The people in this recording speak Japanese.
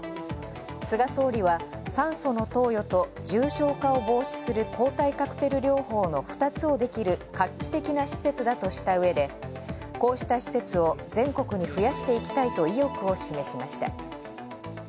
菅総理は「酸素の投与と、重症化を防止する抗体カクテル療法の２つをできる画期的な施設だ」とした上で「こうした施設を全国に増やしていきたい」と意欲を示しました。